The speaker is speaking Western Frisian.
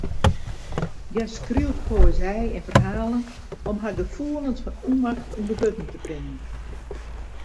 Hja skriuwt poëzy en ferhalen om har gefoelens fan ûnmacht ûnder wurden te bringen.